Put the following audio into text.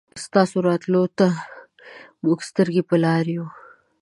ستاسو راتلو ته مونږ سترګې په لار يو